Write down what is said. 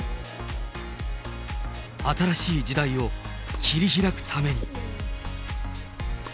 新しい時代を切り開くために。